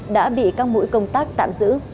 đã bị các mũi công tác tạm giữ